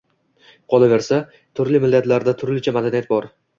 Qolaversa, turli millatlarda turlicha madaniyat bor.